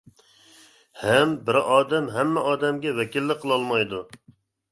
ھەم بىر ئادەم ھەممە ئادەمگە ۋەكىللىك قىلالمايدۇ.